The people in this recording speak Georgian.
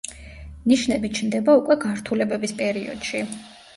ნიშნები ჩნდება უკვე გართულებების პერიოდში.